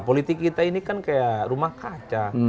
politik kita ini kan kayak rumah kaca